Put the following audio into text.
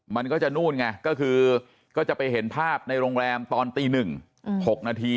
มันก็จะนู่นไงก็คือก็จะไปเห็นภาพในโรงแรมตอนตี๑๖นาที